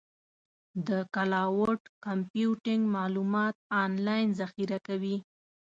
د کلاؤډ کمپیوټینګ معلومات آنلاین ذخیره کوي.